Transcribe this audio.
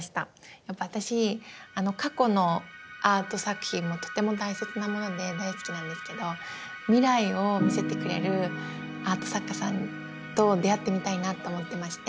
やっぱ私過去のアート作品もとても大切なもので大好きなんですけど未来を見せてくれるアート作家さんと出会ってみたいなって思ってまして。